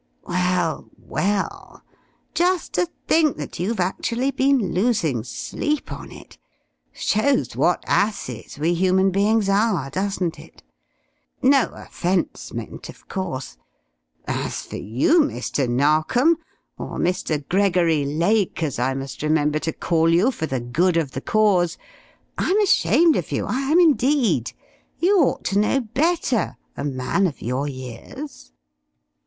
"Well, well, just to think that you've actually been losing sleep on it! Shows what asses we human beings are, doesn't it? No offence meant, of course. As for you, Mr. Narkom or Mr. Gregory Lake, as I must remember to call you for the good of the cause I'm ashamed of you, I am indeed! You ought to know better, a man of your years!"